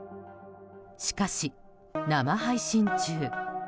しかし、生配信中。